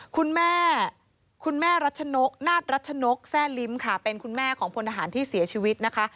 คุณแม่คุณแม่รัชนกนาฏรัชนกแซ่ลิ้มค่ะเป็นคุณแม่ของพลทหารที่เสียชีวิตนะคะ